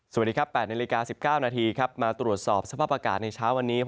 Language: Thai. สวัสดีครับ๘นาฬิกา๑๙นาทีครับมาตรวจสอบสภาพอากาศในเช้าวันนี้